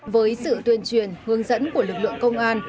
với sự tuyên truyền hướng dẫn của lực lượng công an